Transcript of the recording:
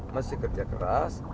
masih kerja keras